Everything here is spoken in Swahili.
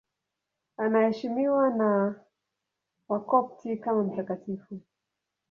Anaheshimiwa na Wakopti kama mtakatifu.